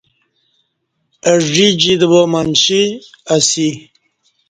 اہ ژ ی جیت وامنچی اسی